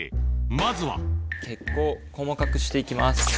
まずは結構細かくして行きます。